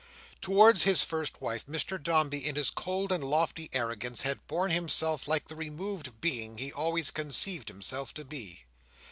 Towards his first wife, Mr Dombey, in his cold and lofty arrogance, had borne himself like the removed Being he almost conceived himself to be.